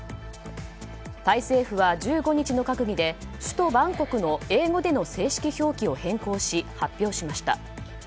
タイ政府は１５日の閣議で首都バンコクの英語での正式表記を変更し発表しました。